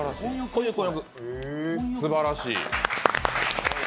すばらしい。